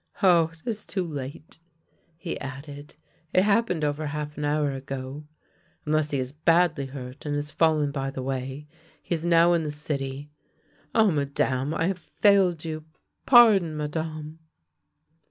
"Ah, it is too late," he added. " It happened over half an hour ago. Unless he is badly hurt and has fallen by the way, he is now in the city. Ah, Madame, I have failed you — pardon, madame!